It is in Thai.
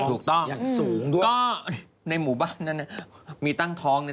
ถูกต้องอย่างสูงด้วยก็ในหมู่บ้านนั้นมีตั้งท้องเนี่ย